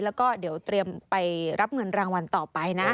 แล้วก็เดี๋ยวเตรียมไปรับเงินรางวัลต่อไปนะ